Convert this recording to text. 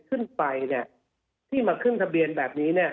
ขึ้นไปเนี่ยที่มาขึ้นทะเบียนแบบนี้เนี่ย